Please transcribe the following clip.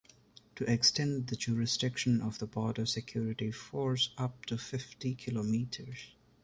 To extend the jurisdiction of the Border Security force up to fifty kilometres.